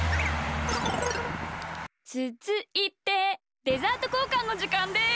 つづいてデザートこうかんのじかんです！